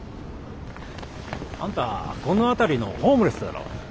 あんたこの辺りのホームレスだろ。